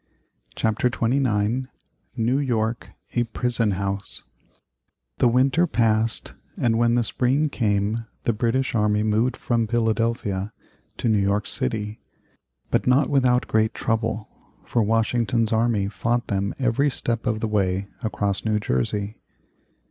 CHAPTER XXIX NEW YORK a PRISON HOUSE The winter passed, and when the spring came the British army moved from Philadelphia to New York City, but not without great trouble, for Washington's army fought them every step of the way across New Jersey.